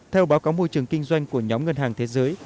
theo báo cáo môi trường kinh doanh của nhóm ngân hàng thế giới